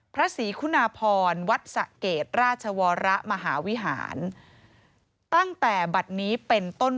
พระศรีคุณาพรวัดสะเกดราชวรมหาวิหารตั้งแต่บัตรนี้เป็นต้น